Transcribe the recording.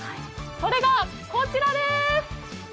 それがこちらです！